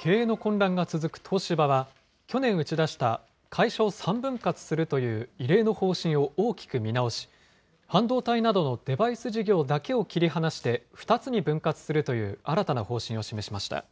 経営の混乱が続く東芝は、去年打ち出した会社を３分割するという異例の方針を大きく見直し、半導体などのデバイス事業だけを切り離して、２つに分割するという新たな方針を示しました。